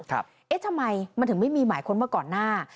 เอ๊ะทำไมมันถึงไม่มีหมายค้นมาก่อนหน้า